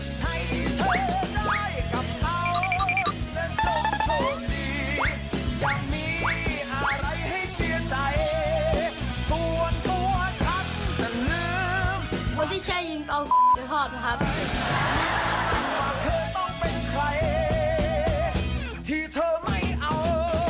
โปสติเช่ยยินตอนหรือครอบครับ